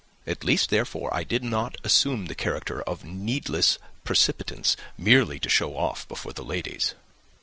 At least, therefore, I did not assume the character of needless precipitance merely to show off before the ladies."